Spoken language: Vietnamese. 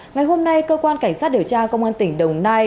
ngày hôm nay cơ quan cảnh sát điều tra công an tỉnh đồng nai